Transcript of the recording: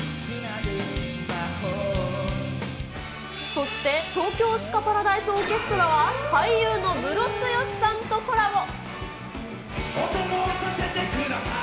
そして東京スカパラダイスオーケストラは、俳優のムロツヨシさんとコラボ。